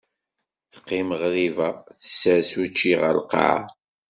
Teqim ɣriba, tessers učči ɣer lqaɛa.